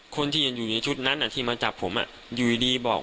คนที่อยู่ในชุดนั้นที่มาจับผมอยู่ดีบอก